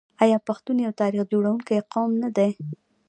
آیا پښتون یو تاریخ جوړونکی قوم نه دی؟